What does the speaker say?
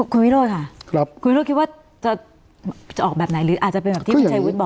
คุณวิโรธค่ะคุณวิโรธคิดว่าจะออกแบบไหนหรืออาจจะเป็นแบบที่คุณชัยวุฒิบอก